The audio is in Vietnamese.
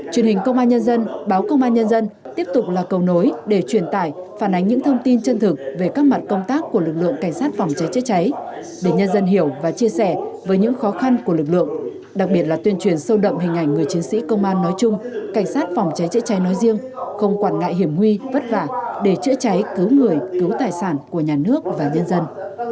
truyền hình công an nhân dân báo công an nhân dân tiếp tục là cầu nối để truyền tải phản ánh những thông tin chân thực về các mặt công tác của lực lượng cảnh sát phòng trái trái trái để nhân dân hiểu và chia sẻ với những khó khăn của lực lượng đặc biệt là tuyên truyền sâu đậm hình ảnh người chiến sĩ công an nói chung cảnh sát phòng trái trái trái nói riêng không quản ngại hiểm nguy vất vả để trữa trái cứu người cứu tài sản của nhà nước và nhân dân